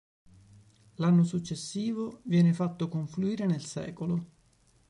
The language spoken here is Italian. L'anno successivo viene fatto confluire nel "Secolo".